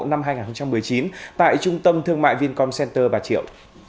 năm hai nghìn một mươi chín tại trung tâm thương mại vincom center bà triệu